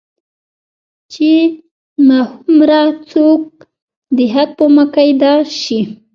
چې مخموره څوک د حق په ميکده شي